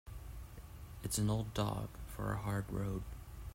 It's an old dog for a hard road.